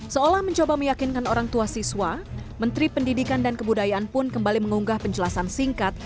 seolah mencoba meyakinkan orang tua siswa menteri pendidikan dan kebudayaan pun kembali mengunggah penjelasan singkat